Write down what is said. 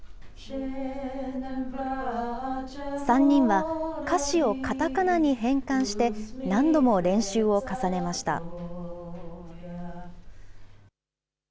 ３人は歌詞をかたかなに変換して、何度も練習を重ねました。